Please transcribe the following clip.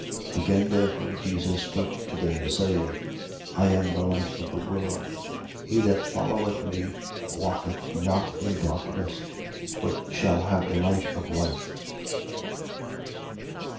8:12. Again therefore, Jesus spoke to: them, saying: I am the light of the world. He that followeth me walketh not in darkness, but shall have the light of life.